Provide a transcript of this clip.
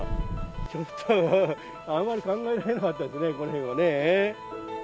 ちょっと、あんまり考えられなかったですね、この辺ではね。